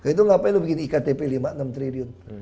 itu ngapain lu bikin iktp lima enam triliun